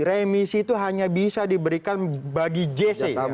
remisi itu hanya bisa diberikan bagi jc